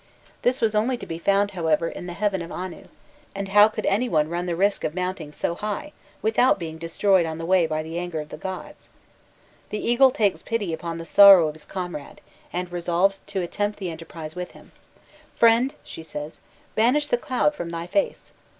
This was only to be found, however, in the heaven of Anu, and how could any one run the risk of mounting so high, without being destroyed on the way by the anger of the gods? The eagle takes pity upon the sorrow of his comrade, and resolves to attempt the enterprise with him. "'Friend,' she says, 'banish the cloud from thy face!